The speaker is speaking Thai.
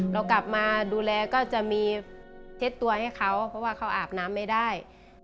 เรากลับมาดูแลก็จะมีเช็ดตัวให้เขาเพราะว่าเขาอาบน้ำไม่ได้